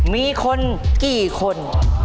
มีคนกี่คน